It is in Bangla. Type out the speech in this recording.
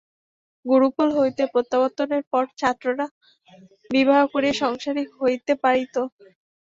গুরুকুল হইতে প্রত্যাবর্তনের পর ছাত্রেরা বিবাহ করিয়া সংসারী হইতে পারিত।